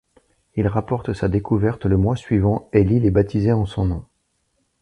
Il rapporte sa découverte le mois suivant et l'île est baptisée en son nom.